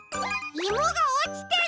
イモがおちてる！